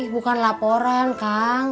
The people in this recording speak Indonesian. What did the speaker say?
bukan laporan kang